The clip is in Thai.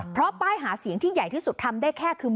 เพราะป้ายหาเสียงที่ใหญ่ที่สุดทำได้แค่คือ